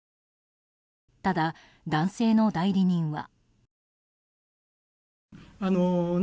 ただ、男性の代理人は。